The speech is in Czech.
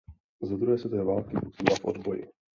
Za druhé světové války působila v odboji.